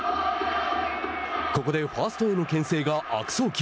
ここでファーストへのけん制が悪送球。